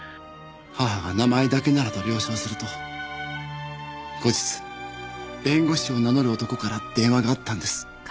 母が名前だけならと了承すると後日弁護士を名乗る男から電話があったんです。